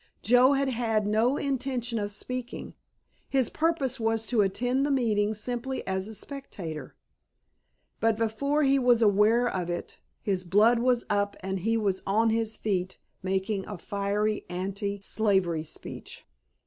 Joe had had no intention of speaking, his purpose was to attend the meeting simply as a spectator. But before he was aware of it his blood was up and he was on his feet making a fiery anti slavery speech.